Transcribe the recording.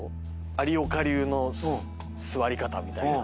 有岡流の座り方みたいな。